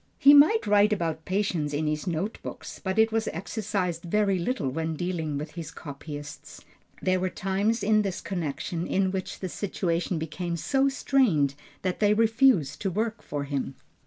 He might write about patience in his note book, but it was exercised very little when dealing with his copyists. There were times in this connection in which the situation became so strained that they refused to work for him.